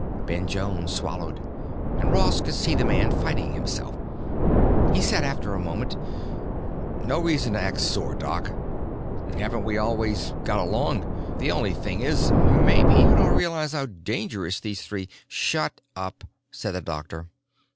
Ben Jones swallowed, and Ross could see the man fighting himself. He said after a moment, "No reason to act sore, Doc. Haven't we always got along? The only thing is, maybe you don't realize how dangerous these three——" "Shut up," said the doctor.